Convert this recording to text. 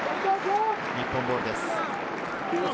日本ボールです。